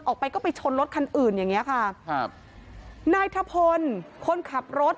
ออกไปก็ไปชนรถคันอื่นอย่างเงี้ยค่ะครับนายทะพลคนขับรถ